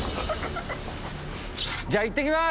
じゃあいってきます。